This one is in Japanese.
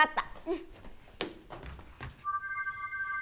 うん！